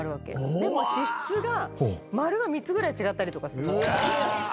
でも支出が丸が３つぐらい違ったりとかする。